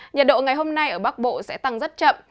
nhiệt độ ngày hôm nay ở bắc bộ sẽ tăng rất chậm